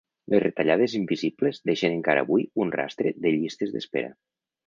Les retallades invisibles deixen encara avui un rastre de llistes d'espera